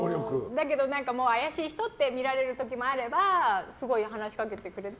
だけど怪しい人ってみられる場合もあればすごい話しかけてくれて。